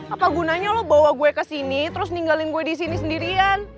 apa gunanya lo bawa gue kesini terus ninggalin gue disini sendirian